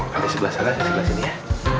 kakaknya sebelah sana sebelah sini ya